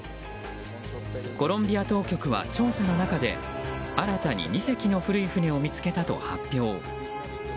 コロンビア当局は調査の中で新たに２隻の古い船を見つけたと発表。